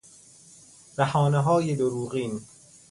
بهانههای دروغین